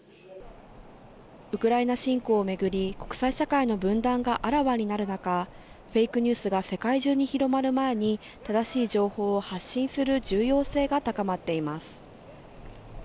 ウクライナ侵攻を巡り、国際社会の分断があらわになる中、フェイクニュースが世界中に広まる前に正しい情報を発信する重要性が高まっています。